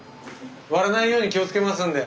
割らないように気をつけますんで。